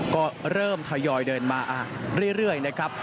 ก็เริ่มทยอยเดินมาเรื่อยนะครับ